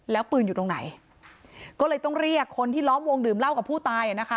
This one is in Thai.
แล้วปืนอยู่ตรงไหนก็เลยต้องเรียกคนที่ล้อมวงดื่มเหล้ากับผู้ตายอ่ะนะคะ